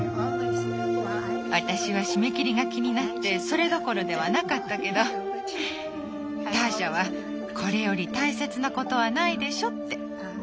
私は締め切りが気になってそれどころではなかったけどターシャは「これより大切なことはないでしょ」って。